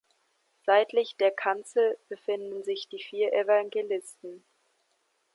Seitlich der Kanzel befinden sich die vier Evangelisten.